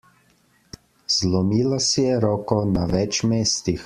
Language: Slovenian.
Zlomila si je roko na več mestih.